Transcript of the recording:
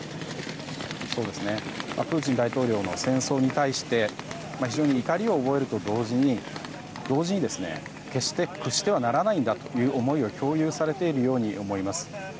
プーチン大統領の戦争に対して非常に怒りを覚えると同時に決して屈してはならないんだという思いが共有されているように思います。